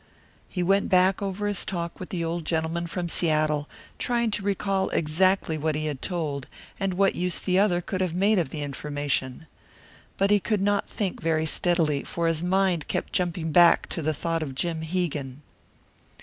He went back over his talk with the old gentleman from Seattle, trying to recall exactly what he had told, and what use the other could have made of the information. But he could not think very steadily, for his mind kept jumping back to the thought of Jim Hegan.